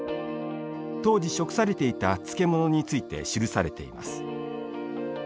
当時食されていた漬物について記されています。